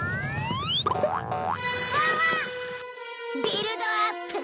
ビルドアップ！